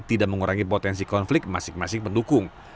tidak mengurangi potensi konflik masing masing pendukung